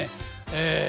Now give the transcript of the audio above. ええ。